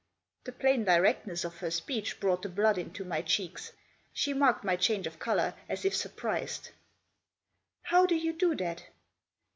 The plain directness of her speech brought the blood into my cheeks. She marked my change of colour, as if surprised. " How do you do that